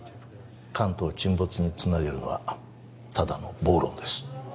関東沈没につなげるのはただの暴論です